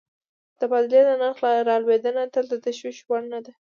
د تبادلې د نرخ رالوېدنه تل د تشویش وړ نه ده.